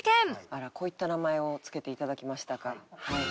あらこういった名前を付けて頂きましたか。